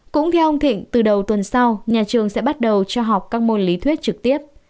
cũng theo ông thịnh từ đầu tuần sau nhà trường sẽ bắt đầu cho học các môn lý thuyết trực tiếp